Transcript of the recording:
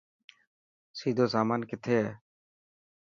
سيدو سامان ڪٿي هي.